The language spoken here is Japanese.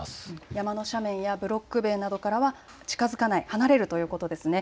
山の斜面やブロック塀などからは近づかない、離れるということですね。